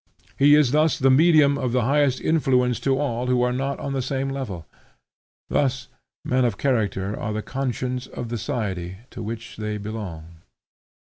He is thus the medium of the highest influence to all who are not on the same level. Thus, men of character are the conscience of the society to which they belong.